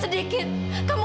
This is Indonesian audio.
kamu ikut ke belakangnya